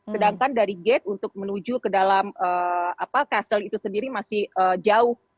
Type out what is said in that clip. sedangkan dari gate untuk menuju ke dalam castle itu sendiri masih jauh